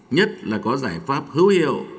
nhất là có giải pháp hữu hiệu